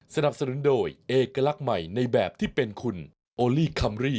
สนับสนุนโดยเอกลักษณ์ใหม่ในแบบที่เป็นคุณโอลี่คัมรี่